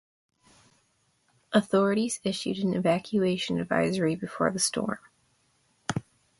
Authorities issued an evacuation advisory before the storm.